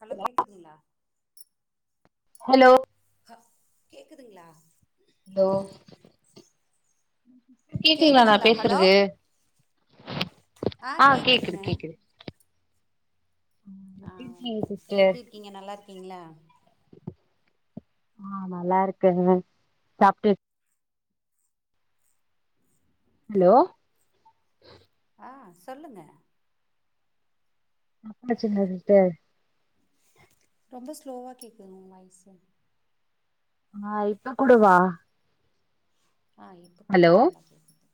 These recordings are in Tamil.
ஹலோ கேக்குதுங்களா ஹலோ ஹ கேக்குதுங்களா ஹலோ கேக்குங்களா நான் கேக்குதுங்களா ஹலோ பேசுறது ஆ கேக்குது கேக்குது எப்டி ஆஹ் இருக்கீங்க சிஸ்டர் எப்படி இருக்கீங்க நல்லா ல்லார்க்கிங்களா ஆ நல்லா இருக்கங்க சாப்ட்டு ஹலோ ஆ சொல்லுங்க சாப்டாச்சுங்ளா சிஸ்டர் ரொம்ப ஸ்லோவா கேக்குது அ இப்ப கூடவா அ இப்ப கொஞ்ச ஹலோ நல்லா கேக்குது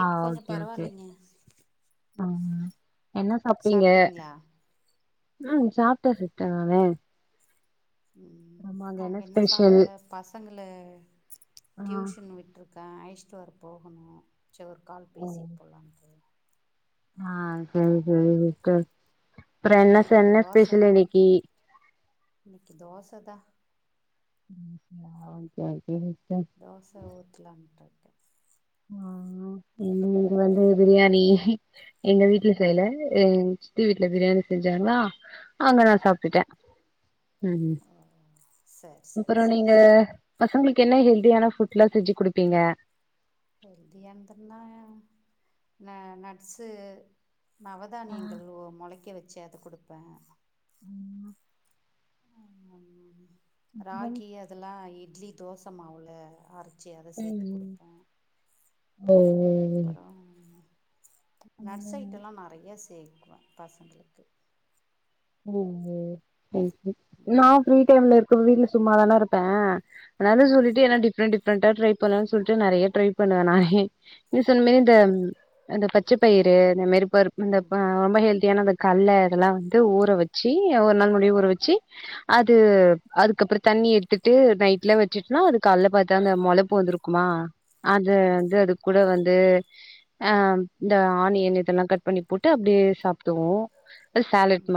ஆ இப்போ கொஞ்சோ ஓகே ஓகே பரவாயில்லைங்க உம் என்ன சாப்ட்டீங்க சாப்ட்டீங்களா அ சாப்ட்ட சிஸ்டர் நானு ம் ஆமா அங்க என்ன நாங்க இன்னு ஸ்பெஷல் சாப்ட்ல பசங்க இல்ல ஆ டியூஷன் விட்டுரு அக்கா அய்ச்சுட்டு வர போகணு சேர் ஒரு கால் பேசிட்டு போலான்ட்டு அ சேரி சேரி சிஸ்டர் ஆ அப்புறோ என்ன சன்ன ஸ்பெஷல் இன்னக்கி இன்னிக்கு தோசதா தோசயா ஓகே ஓகேங்க தோச ஊத்துலான்ட்டு இருக்க அ இன்னும் இங்க வந்து பிரியாணி எங்க வீட்டுல செய்யல எங்க சி தி வீட்டல பிரியாணி செஞ்சாங்ளா அங்க நா சாப்டுட்ட ம் ஓ சரி சரி அப்புறோ சரி நீங்க பசங்ளுக்கு என்ன ஹெல்தியான ஃபுட்லா செஞ்சு குடுப்பீங்க ஹெல்தியான்துன்னா ந நட்ஸு ஆ நவதானியங்கள் ஒ மொளக்க வச் சி அது குடுப்ப ம் அப்புறம் ராகி அதுலா இட் ட்லி தோச மாவுல அர் சி அத சேத்து ம். குடுப்ப அப்பறோ நட்ஸ் ஓ ஐட்டம் லா நறைய சே பசங்ளுக்கு ஒ ஒ நா ஃப்ரீ ம் டைம்ல இருக்க வீட்ல சும்மாதான இருப்ப அதாது ம் சொல்லிட்டு என்ன டிஃப்ரென்ட் டிஃப் டிஃப்ரன்ட்டா ட்ரை பண்ணுவேன் சொல்ட்டு நறைய ட்ரை பண்ணுவே நானே நீ சொன்ன மாரி இந்த இந்த பச்ச பயிறு இந்த மாரி பருப்பு இந்த ம் ரொம்ப ஹெல்தியான கல்ல இதல்லா வந்து து ஊற வச்சு ஒரு நாள் முன் டே ஊற வச்சு அது அதுக்கப்புற தண்ணி எடுத்துட்டு நைட்ல வச்சுட்னா அது கால்ல பாத்தா அந்த மொளப்பு வந்துருக்குமா அது வந்து ஆமாம் அது கூட வந்து அ இந்த ஆனியன் இதல்லா கட் பண்ணி போட்டு அப்டியே சாப்டுவோ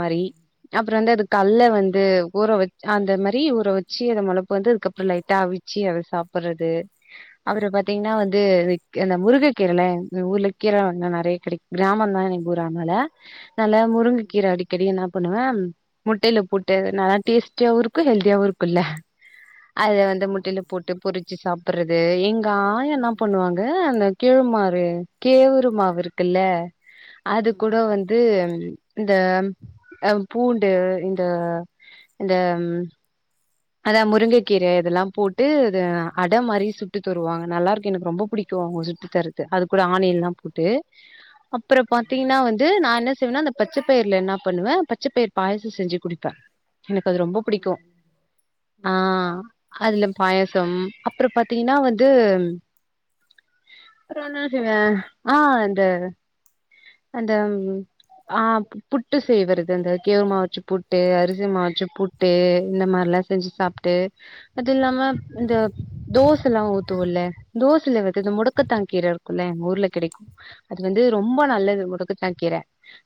மாரி அப்றோ வந்து அது கல்ல வந்து ம் ஊற வச் அந்த மரி ஊற வச்சு அது மொளப்பு வந்து அதுக்கப்புறோ லைட்டா அவிச்சு அத சாப்புற்றது அப்புறோ ம் பாத்தீங்னா வந்து அந்த முருங் கீரலே ஊர்ல கீரளா நா நெறயக் கெடக் கிராமோ தா கூறாமலே நல்ல முருங்கக் கீர ம் அடிக் என்னாப் பண்ணுவ முட்டைய்லப் போட்டு நல்லா டேஸ்டியாவுருக்கு ஹெல்தியாவு இருக்குல்ல அத வந்து ஆமா முட்டைய்ல ஆமா போட்டு பொறிச்சி சாப்புர்றத் து எங் காயா இன்னாப் ம் பண்வாங்க அந்த கிழ்மாரு கேவுரு மாவு இருக்குல்ல அது கூடோ ம் வந்து இந்த அ பூண்டு இந்த இந்த அதா முருங்கக்கீர இதெல்லா போட்டு அது அட மாரி சுட்டு தருவாங்க நல்லாருக்கு எனக் ரொம்ப புடிக்கூ அவுங்க சுட்டு தர்றது அது கூட ஆனியன்லா போட்டு அப்றோ ம் ம் பாத்திங்னா வந்து நா என்ன செய்வனா அந்தப் பச்சப்பயிர்ல என்னா பண்ணுவே பச்சப்பயிர் பாயாசோ செஞ்சி குடிப்பே எனக்கு அது ரொம்ப புடிக்கு ம் ஆ அதுல பாயாசோ அப்றோ பாத்திங்னா வந்து வேற இன்னா செய்வே ஆ அந்த அந்த ஆ புட்டு சேவரது அந்த கேவ்ரு மா வச்சு புட்டு அரிசி மா வச்சு புட்டு இந்த மார்லா செஞ்சி சாப்ட்டு அ துல்லாம ம் இந்த ம் தோசலா ஊத் தோல்ல தோசல வந்து இந்த முடக்கத்தான் கீர ருக்குல்ல எங் ஊர்ல கிடைக்கு வந்து ரொம்ப ம் நல்லது முடக்கத்தான் கீர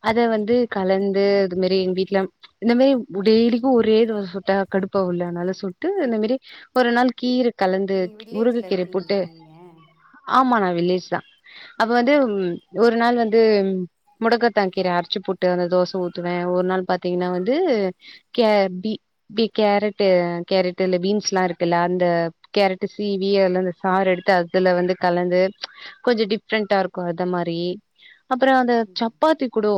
அத வந்து ம் கலந்து அது மேரி எங் வீட்ல இந்த மேரி டெய்லிக்கு ஒரே தோஸ் சுட்டா கடுப் பவுல்ல அனால சுட்டு இந்த மேரி ஒரு நாள் கீர கலந்து நீங்க முருகு வில்லேஜ்ல கீரய போட்டு இருக்கீங்களா நீங்க ஆமா நா வில்லேஜ் தா அப்ப வந்து ந்தும் ஆ ஒரு நாள் வந்து முடக்கத்தா கீர அரச்சி போட்டு அந்த தோச ஊத்துவே ஒரு நாள் பாத்திங்ன்னா வந்து க [unintelligible] கேரட்டு கேரட்டுல்ல பீன்ஸ்லாருக் க்குல்ல அந்த கேரட்டு சீவி அதலேந்து சாறு எடுத்து அதுல வந்து கலந்து கொஞ்சோ டிஃப்ரண்ட்டாருக்கு அத மாரி அப்பற அத ம் சப்பாத்தி குடோ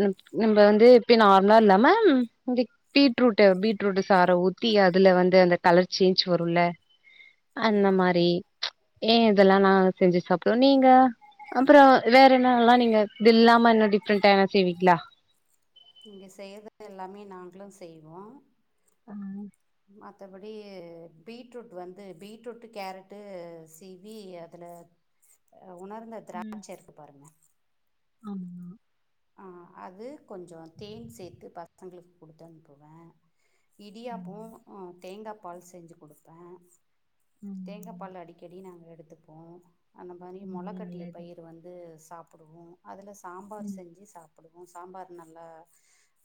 ம் நம்ம வந்து [unintelligible] நார்ம்லா இல்லாம இந்த பீட்ரூட்டு பீட் ரூட்டு சாற ஊத்தி அதுல வந்து அந்த கலர் சேஞ்ச் வருல அந்த ம் மாரி ஏ இதெல்லா நா செஞ்சு சாப்டுவ நீங்க அப்றோ வேற என்னனலா நீங்க இதுல்லாம இன்னு டிஃப்ரெண்டா எதனா செய்வீங்ளா நீங்க செய்றது எல்லாமே நாங்ளு செய்வோ [inaudible] மத்தபடி பீட்ரூட் வந்து பீட்ரூட்டு கேரட்டு சீவி அதுல அ உணர்ந்த ம் திராட்சருக்கு பாருங்க ஆமா ஆ அது கொஞ்சோ தேன் சேத்து பசங்ளுக் குடுத்து அனுப்புவ இடியாப்போ அ தேங்கா பால் செஞ்சு குடுப்ப தேங்கா பால் அடிக்கடி நாங்க எடுத்துப்போ அந்த மாரி மொளக்கட்டிய பயிரு வந்து சாப்புடுவோ அதுலஸ் சாம்பார் சாப்புடுவோ சாம்பார் நல்லா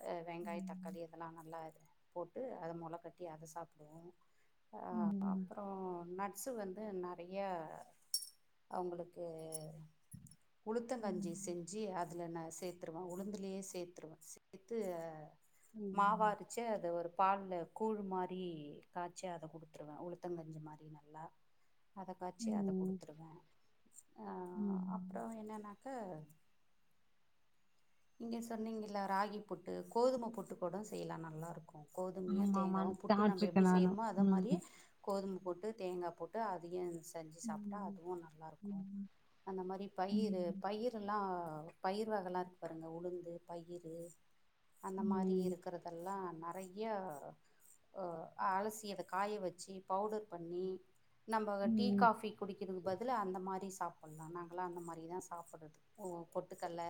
அ வெங்காய் தக்காளி இதெல்லா நல்லா இது போட்டு அத மொளக்கட்டி அத சாப்புடுவோ அ அப்புறோ நட் ஸு வந்து நறையா அவுங்குளுக்கு உளுத்தங்கஞ்சி செஞ்சி அத் அதுல நா சேத்துருவ உளுந்துலியே சேத்துருவ சேத்து அ மாவா அரிச்சி அத ஒரு பால்ல கூழ் மாரி காச்சி அத குடுத்துருவ உளுத்தங்கஞ்சி மாரி நல்லா அத காச்சி அத குடுத்துருவ அ அப்றோ என்னனாக் க நீங்க சொன்னீங்கில்ல ராகி புட்டு கோதும புட்டு கூட செய்லா நல்லாருக் கு கோதுமியு ஆமா ஆமா தேங்காவு புட்டு நம்ப சாப்ட்ருக்கே எப்டி நானு செய்றுமோ அத ம் மாரி கோதும் போட்டு தேங்கா போட்டு அதியு இது ஸ் செஞ்சி சாப்ட்டா அதுவு நல்லாருக்கு அந்த மாரி பயிரு பயிருல்லா பயிர் வகலா இருக்கு பாருங்க உளுந்து பயிரு அந்த மாரி இருக்கிறதெல்லா ந றைய அ அலசி அத காய வச்சி பவ்டர் பண்ணி நம்பக டீ காஃபி குடிக்கிறது பதிலா அந்த மாரி சாப்புல்லா நாங்களா அந்த மாரி தா சாப்புட்றது ஒ துகல்ல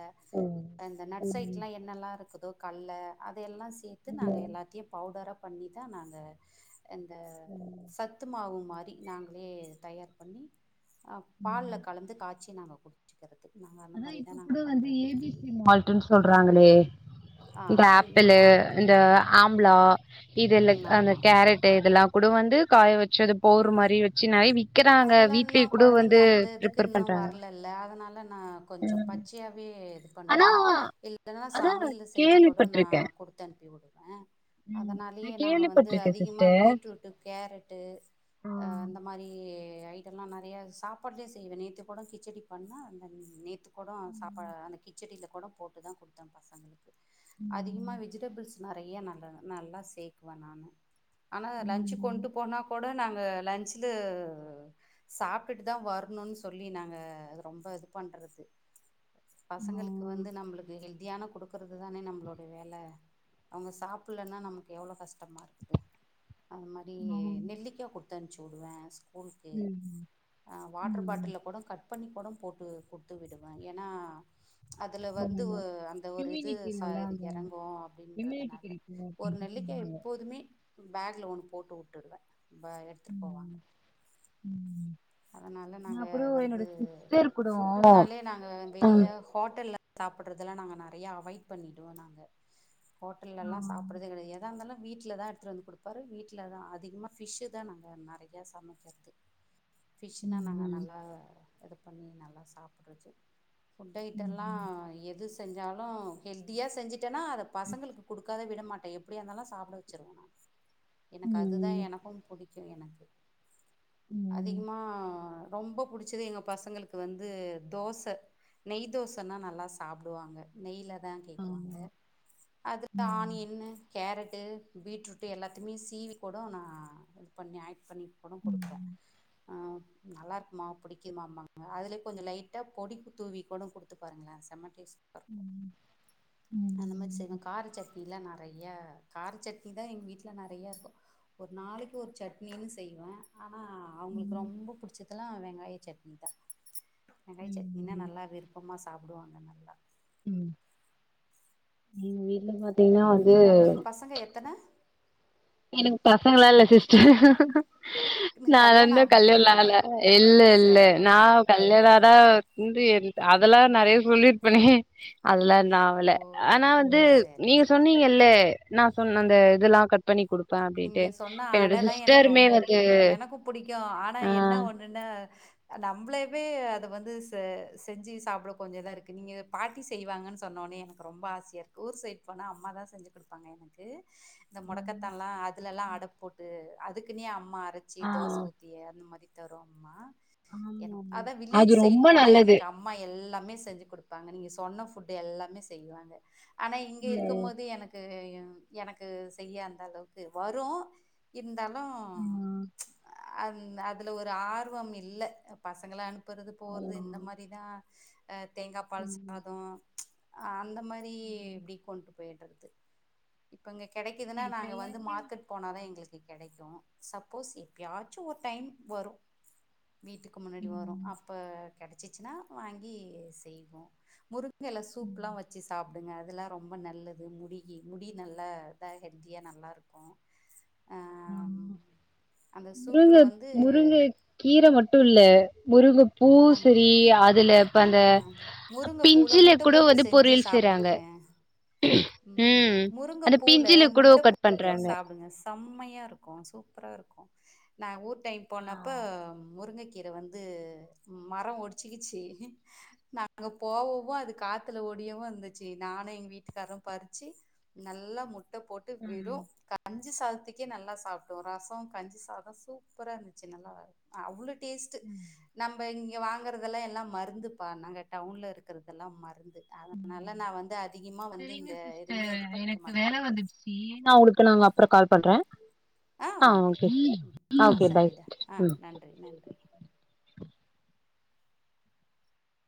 அந்த நட்ஸ்சைட்லா என்னல்லாருக் குதோ கல்ல அத எல்லா ஸ் சேர்த்து நாங்க எல்லாத்தியு பவுடரா பண்ணி தா நாங்க இந்த சத்து மாவு மாரி அப்டி நாங்களே தயார் பண்ணி அ பால்ல கலந்து கா சி நாங்க குடிச்சக்கறது நாங்க அந்த மாரி இப்பக்கூட வந்து ஏ பி சி மால்ட்டுன்னு சொல்றாங்களே ஆ இந்த ஆப்பிளு இந்த ஆம்ப்லா இதெல்லாத் அந்த ஆமாம் கேரட்டு இதெல்லா கூட வந்து காய வச்சது போரு மாரி வச்சு நெறைய விக் க்கிறாங்க அதெல்லா இன்னு வீட்லயே கூட கொழந்தைங்க வந்து அந்த இதுக்கு ப்ரிப்பேர் இன்னு பண்றாங்க வரலல்ல அதனால நா கொஞ்ச பச்சையாவே பண்ணுவே இல்லன்னா சமையல்ல செஞ்சுக்கூட நா கேள்விப்பட்டிருக்கே குடுத்தனுப்பிவுடு வ நா அதனாலயே நாங்க வந்து கேள்விப்பட்டிருக்கே அதிகமா சிஸ்டர் பீட்ரூட்டு் கேரட்டு அ அந்த மாரி யே ஐட்டலா நெறையா சாப்பாட்லயே செய்வே நேத்து கூட கிச்சடி பண்ண அந்த நேத்து கூட சாப்பாடு அந்த கி கிச்சடியில கூட போட்டு தா குடுத்த பசங்களுக்கு அதிகமா வெஜிடபிள்ஸ் நெறையா நல்ல நல் நல்லா சேக்குவ நானு ஆனா லன்ச்சு கொண்ட்டுப்போனா கூட கூட நாங்க லன்ச்சில சாப்பிட்டுதான் வரணும்ன்னனு சொல்லி நாங்க அது ரொம்ப இது பண்றது பசங்களுக்கு வந்து நம்பளுக்கு ஹெல்தியான குடுக்குறது தானே நம்பளோடைய வேல அவங்க சாப்பிட்லன்னா நமக்கு எவ்ளோ கஷ்டமா இருக்குது அத மாரி நெல்லிக்கா குடுத்தன்ச்சு குடுவ ஸ்கூ கூல்க்கு அ வாட்டர் பாட்டில்ல கூடு கட் பண்ணி கூடு போட்டு குடுத்துவிடுவே ஏன்னா அதுல வந்து அந்த ஒரு இது ச இது எறங்கு அப்டின்றதுனால ஒரு நெல்லிக்காய எப்போதுமே பேக்ல ஒன்னு போட்டுவுட்டுடுவ ப எடுத்துட்டு போவாங்க அதனால நாங்க வந்து ஃபுட்டுனாலே நாங்க வெளில ஹோட்டல்ல சாப்புட்றதெல்லா நாங்க நெறயா அவாய்ட் பண்ணிடுவோ நாங்க ஹோட்டல்லலா சாப்புட்றதே கெடையாது எதாருந்தாலு வீட்ல தா எடுத்து வந்து குடுப்பாரு வீட்ல தா அதிகமா ஃபிஷ்ஷு தா நாங்க நெறைய சமைக்க [unintelligible] ஃபிஷ்ஷுனா நாங்க நல்லா எது பண்ணி நல்லா சாப்புட்றது ஃபுட் ஐட்டலா எது செஞ்சாலு ஹெல்தியா செஞ்சி ஞ்ன்னா அத பசங்களுக்கு குடுக் க்காத விட மாட்டே எப்படியாந்தாலு சாப்ட வச்சுருவ நான் எனக்கு அதுதா எனக்கும் புடிக் கு எனக்கு அதிகமா ரொம்ப புடிச்சது எங்க பசங்களுக்கு வந்து தோச, நெய் தோசன்னா நல்லா சாப்புடுவாங்க நெய்ல தா கேக்குவாங்க அதுக்கு ஆனியன்னு, கேரட் ட்டு பீட்ரூட்டு எல்லாத்தையுமே சீவி கூடோ நா இது பண்ணி ஆட் பண்ணி கூடோ குடுப்ப ஆ நல்லாருக்குமா புடிக்கிமாம்மா அதுலே கொஞ்சம் லைட்டா பொடிக்கு தூவி கூட குடுத்து பாருங்களேன் செமட்டேஸ் ர்க்கும் அந்த மாரி செய்வேன் கார சட்னிலாம் நறைய கார சட்னி தான் எங்க வீட்ல நறையா இருக்கும் ஒரு நாளைக்கு ஒரு சட்னி னு ஸ் செய்வேன் ஆனா அவங்களுக்கு ரொம்ப புடிச்சதெல்லா வெங்காய சட்னிதா வெங்காயசட்னினா நல்லா விருப்பமா சாப்புடுவாங்கன்னா [unintelligible] ம் நீ வீட்ல பாத் ம் உங்களுக்கு பசங்க எத்தன எனக்கு பசங்களா இல்ல சிஸ்டர் இன்னு நா கல்யாணோ வந்து ஆகலையா கல்யல்லால இல்ல இல்ல சரிப்பா நா சரிப்பா கல்யாணாதா இந்த இயருண்டு அதல்லா நறையா சொல்லிர்பனே அதெல்லா நாவல ஓ ஆனா வந்து சரிடா நீங்க சரிடா சொன்னீங்கல்ல நா சொன்ன அந்த இதல்லா கட் பண்ணி குடுக் நீங்க சொன்ன அடலா எனக்கு ரொம்ப வந்து புடிக்கு எனக்கு புடிக்கு ஆனா ஆ என்ன ஒண்ணுன்னா அ நம்ளேவே அத வந்து ச செஞ்சு சாப்புட கொஞ்ச இதா இருக்கு நீங்க பாட்டி செய்வாங்கன்னு சொன்னோனே எனக்கு ரொம்ப ஆசையா இருக்கு ஊர் சைட் போனா அம்மா தான் செஞ்சு குடுப்பாங்க எனக்கு இந்த மொடக்கத்தா அதுலல்லா அட போட்டு அதுக்குனே அம் மறச்சி தோச ஊத்தி அந்த மாரி தரோம்மா எனக் அத்தா வில்லேஜ் சைட் போனா எனக்கு அம்மா எல்லா மே செஞ்சு குடுப்பாங்க நீங்க சொன்ன ஃபுட் எல்லாமே செய்வாங்க ஆனா இங்க இருக்கும் போது எனக்கு ம் எனக்கு செய்ய அந்தளவு க்கு வரு இருந்தாலு ம் அந் அதுல ஒரு ஆர்வம் இல்ல பசங்கள அனுப் ப்பறது போறது இந்த மாரிதா ஆ தேங்காப் பால் சாதோ ஆ அந்த மாரி இப்பிடி கொண்டு போயிடறது இப்ப இங்க கெடைக்குதுன்னா நாங்க வந் மார்க்கெட் போனா தா எங்குளுக் க்கு கெடைக்கு சப்போஸ் எப்பயாச்சு ஒரு டைம் வரு வீட்டுக்கு முன்னாடி வரு அப்ப கெடைச்சிச்சுன்னா வாங்கி செய்வோ முருங் ங்க எல சூப்லா வச்சு சாப் ப்புடுங்க அதெல்லா ரொம்ப நல்லது முடிக்கு முடி நல்லா இதா ஹெல்த்தியா நல்லாருக் க்கு முருங்க சூப்பில் வந்து முருங்கை கீர மட்டு இல்ல முருங்க பூ அந் சரி அதுல இப்ப அந்த முருங்கை பூவில் பிஞ்சில முட்டை கூட போட்டு வந்து செஞ்சு பொரியல் செய்றாங்க சாப்பிடுங்களேன் ம் முருங்கை அந்த பூவில் பிஞ்சில கூட முட்டை கட் பண்றாங்க கு சூப்பரா இருக்கு நா ஊர் டைம் போனப்ப முருங்கைக்கு கீர வந்து மர ஒடிச்சுக்கிச்சு நாங்க போகவு அது காத்துல ஒடியவு இருந்துச்சு நானு எங்க வீட்டுக்காரு பறிச்சு நல்லா மு ட்ட போட்டு வெரு கண் கஞ்சி சாதத்துக்கே நல்லா சாப்ட்டோ ரச கஞ்சி சாத சூப்பரா இருந்துச்சு நல்லா அவ்ளு டேஸ்ட்டு இப்ப இங்க வாங்கறது எல்லா மருந்துப்பா நாங்க டவுன்ல இருக்கறதெல்லா மருந் து அதனால நா வந்து அதிகமா வந்து இங்க எதுவுமே இது பண்ணிக்க மாட்டே அப்புற கால் பண்றே ஆ ஓகேப்பா ம் ஆ ஓகே பாய் சரிடா சிஸ்டர் ஆ ம் நன்றி நன்றி